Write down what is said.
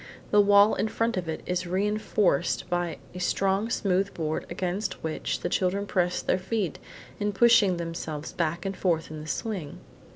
The wall in front of it is reinforced by a strong smooth board against which the children press their feet in pushing themselves back and forth in the swing.